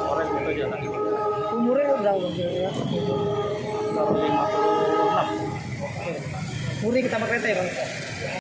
kepolisian resort jakarta timur jaya irjen paul karyoto juga sempat mendatangi lokasi kejadian perkara dan mengetahui penyebab kecelakaan yang menewaskan anggotanya itu